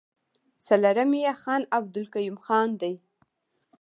څلورم يې خان عبدالقيوم خان دی.